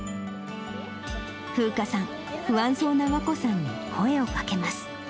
楓佳さん、不安そうな和恋さんに声をかけます。